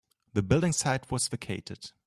The building site was vacated.